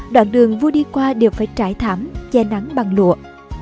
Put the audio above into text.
đoạn đường vua đi qua đều phải trải thảm che nắng bằng lụa